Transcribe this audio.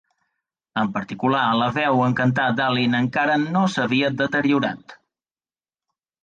En particular, la veu en cantar d'Allin encara no s'havia deteriorat.